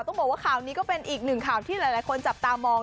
ต้องบอกว่าข่าวนี้ก็เป็นอีกหนึ่งข่าวที่หลายคนจับตามอง